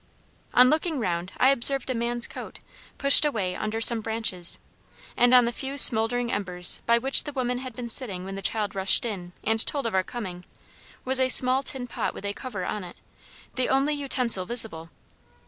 "On looking round I observed a man's coat, pushed away under some branches, and on the few smouldering embers by which the women had been sitting when the child rushed in and told of our coming, was a small tin pot with a cover on it, the only utensil visible.